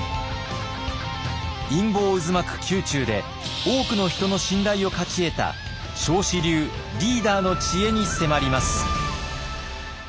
陰謀渦巻く宮中で多くの人の信頼を勝ち得た彰子流リーダーの知恵に迫ります。